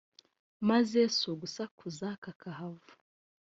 maze sugusakuza kakahava